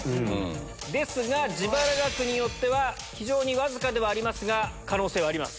ですが、自腹額によっては、非常に僅かではありますが、可能性はあります。